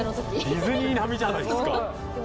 ディズニー並みじゃないですか。